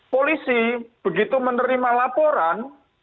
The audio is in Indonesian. polisi begitu menerima laporan